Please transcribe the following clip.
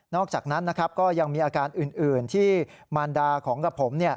นอกจากนั้นก็ยังมีอาการอื่นที่มารดาของกระผม